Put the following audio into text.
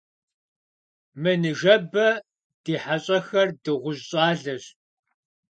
Мы ныжэбэ ди хьэщӀахэр дыгъужь щӀалэщ.